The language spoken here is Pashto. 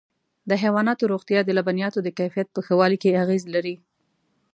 د حيواناتو روغتیا د لبنیاتو د کیفیت په ښه والي کې اغېز لري.